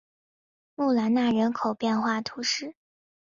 穆兰纳人口变化图示